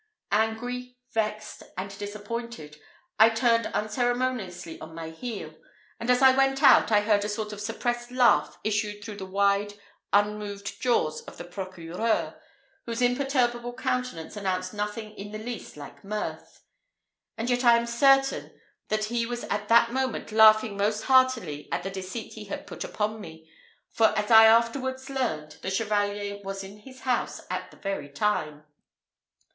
Angry, vexed, and disappointed, I turned unceremoniously on my heel; and as I went out, I heard a sort of suppressed laugh issue through the wide, unmoved jaws of the procureur, whose imperturbable countenance announced nothing in the least like mirth; and yet I am certain that he was at that moment laughing most heartily at the deceit he had put upon me; for, as I afterwards learned, the Chevalier was in his house at the very time.